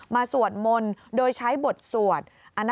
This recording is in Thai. สวดมนต์โดยใช้บทสวด